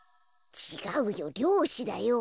ちがうよりょうしだよ。